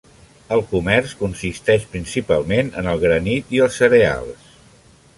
El comerç consisteix principalment en el granit i els cereals.